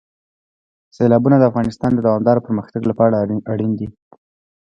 سیلابونه د افغانستان د دوامداره پرمختګ لپاره اړین دي.